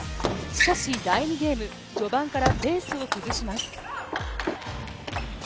しかし、第２ゲーム、序盤からペースを崩します。